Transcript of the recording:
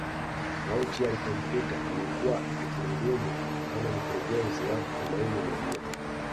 Mauti yalipomkuta amekuwa akihudumu kama mkurungezi wa Tumaini Media